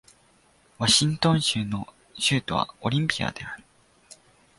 ワシントン州の州都はオリンピアである